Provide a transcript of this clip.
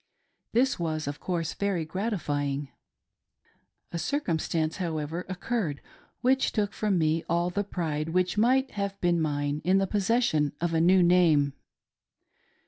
This was of course very gratifying. A circumstance, however, occurred which took from me all the pride which might have been mine in the possession of a new name.